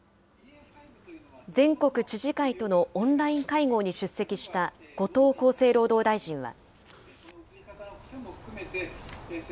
全国知事会とのオンライン会合に出席した後藤厚生労働大臣は。